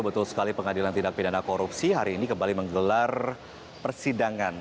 betul sekali pengadilan tindak pidana korupsi hari ini kembali menggelar persidangan